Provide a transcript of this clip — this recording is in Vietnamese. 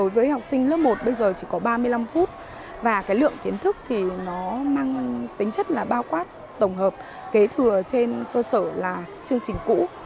với học sinh lớp một bây giờ chỉ có ba mươi năm phút và cái lượng kiến thức thì nó mang tính chất là bao quát tổng hợp kế thừa trên cơ sở là chương trình cũ